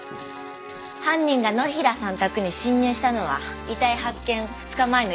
犯人が野平さん宅に侵入したのは遺体発見２日前の夜と思われます。